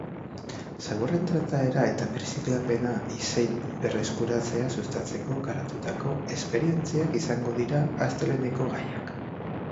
Zaborren trataera eta birziklapena zein berreskuratzea sustatzeko garatutako esperientziak izango dira asteleheneko gaiak.